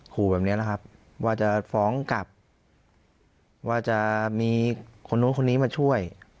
ขู่แบบนี้นะครับว่าจะฟ้องกลับว่าจะมีคนนู้นคนนี้มาช่วย